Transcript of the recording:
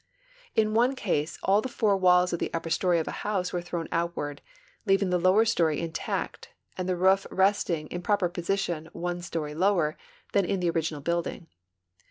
In one case all the four walls of the upper story of a house were thrown outward, leaving the lower story intact and the roof resting in proper position one story lower than in the original building.